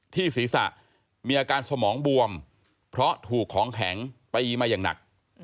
ที่ศีรษะมีอาการสมองบวมเพราะถูกของแข็งตีมาอย่างหนัก